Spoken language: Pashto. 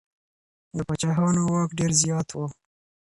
د پاچاهانو واک ډېر زيات و.